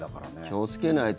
気をつけないと。